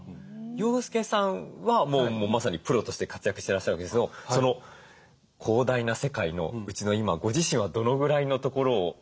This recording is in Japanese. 洋輔さんはまさにプロとして活躍してらっしゃるわけですけど広大な世界のうちの今ご自身はどのぐらいのところを？